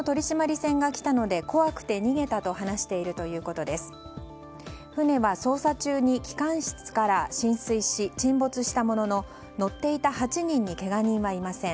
船は捜査中に機関室から浸水し沈没したものの乗っていた８人にけが人はいません。